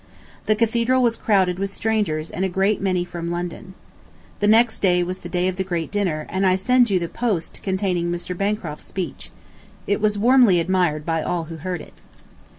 The Cathedral was crowded with strangers and a great many from London. The next day was the day of the great dinner, and I send you the Post containing Mr. Bancroft's speech. It was warmly admired by all who heard it.